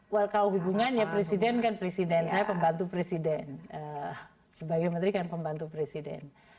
walkau hubungannya presiden kan presiden saya pembantu presiden sebagai menteri kan pembantu presiden